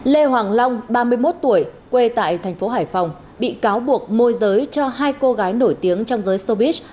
lê hoàng long ba mươi một tuổi quê tại thành phố hải phòng bị cáo buộc môi giới cho hai cô gái nổi tiếng trong giới sobis